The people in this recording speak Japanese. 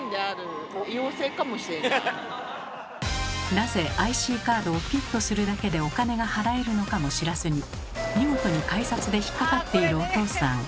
なぜＩＣカードをピッとするだけでお金が払えるのかも知らずに見事に改札で引っ掛かっているおとうさん。